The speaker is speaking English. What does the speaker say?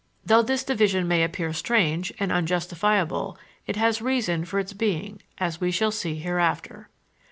Though this division may appear strange, and unjustifiable, it has reason for its being, as we shall see hereafter.